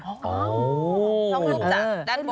ต้องรูปจากด้านบน